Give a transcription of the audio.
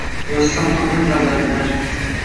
Yozsam faqat g’azallar